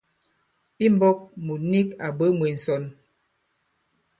I mbɔ̄k mùt nik à bwě mwē ǹsɔn.